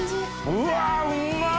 うわうまっ！